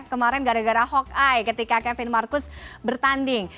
kemarin gara gara hawkey ketika kevin marcus bertanding